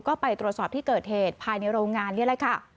ก็ไปตรวจสอบที่เกิดเหตุภายในโรงงานนี่แหละค่ะ